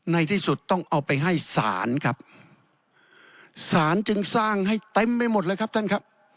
ในที่สุดต้องเอาไปให้ศาลครับศาลจึงสร้างให้เต็มไปหมดเลยครับท่านครับ